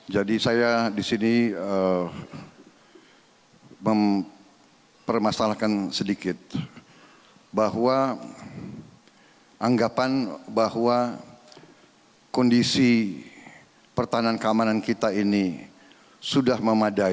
jadi saya disini mempermasalahkan sedikit bahwa anggapan bahwa kondisi pertahanan keamanan kita ini sudah memadai